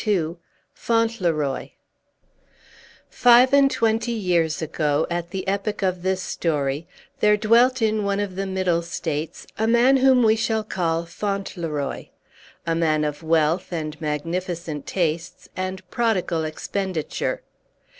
XXII. FAUNTLEROY Five and twenty years ago, at the epoch of this story, there dwelt in one of the Middle States a man whom we shall call Fauntleroy; a man of wealth, and magnificent tastes, and prodigal expenditure.